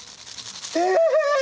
え？